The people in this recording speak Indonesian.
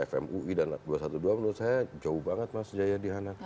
apakah hpp rizik dengan gnpf mui dan dua ratus dua belas menurut saya jauh banget mas jaya dihanan